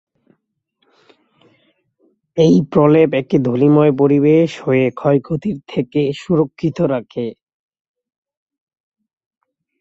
এই প্রলেপ একে ধূলিময় পরিবেশ হয়ে ক্ষয়-ক্ষতির থেকে সুরক্ষিত রাখে।